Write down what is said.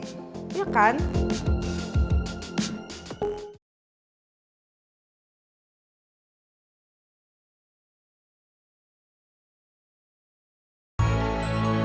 aku mau makan di restoran raffles